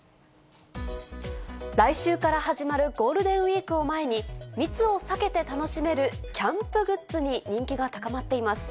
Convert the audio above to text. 来週から始まるゴールデンウィークを前に、密を避けて楽しめるキャンプグッズに人気が高まっています。